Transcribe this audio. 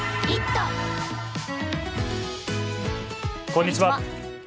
こんにちは。